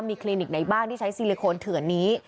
มีคลินิกไหนบ้างที่ใช้ซิลิโคนเถื่อนนี้